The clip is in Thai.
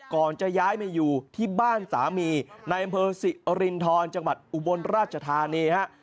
ก่อนจะย้ายมาอยู่ที่บ้านสามีในอำเภอสิรินทรจังหวัดอุบลราชธานีฮะ